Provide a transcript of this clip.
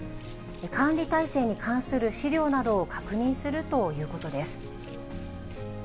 管理体制に関する資料などを確認するということです。